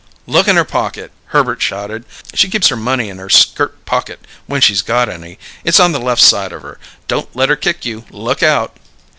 "Look in her pocket," Herbert shouted. "She keeps her money in her skirt pocket when she's got any. It's on the left side of her. Don't let her kick you! Look out!"